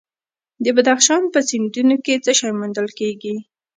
د بدخشان په سیندونو کې څه شی موندل کیږي؟